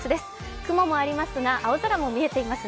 雲もありますが青空も見えてますね。